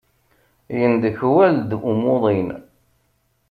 Yendekwal-d umuḍin.